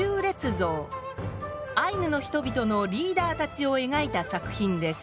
３アイヌの人々のリーダーたちを描いた作品です。